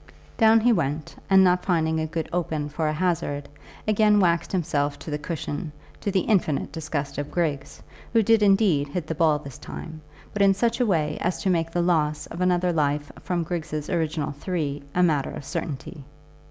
Down he went, and not finding a good open for a hazard, again waxed himself to the cushion, to the infinite disgust of Griggs, who did indeed hit the ball this time, but in such a way as to make the loss of another life from Griggs' original three a matter of certainty.